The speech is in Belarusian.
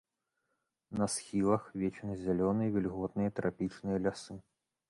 На схілах вечназялёныя вільготныя трапічныя лясы.